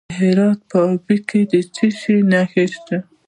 د هرات په اوبې کې څه شی شته؟